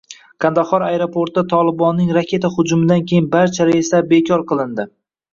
Qandahor aeroportida “Tolibon”ning raketa hujumidan keyin barcha reyslar bekor qilindi